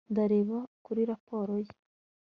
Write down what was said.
ndareba kuri raporo ye